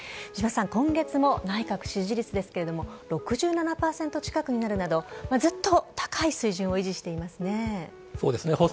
三嶋さん、今月も内閣支持率ですけれども、６７％近くになるなど、ずっと高い水準を維持していますね。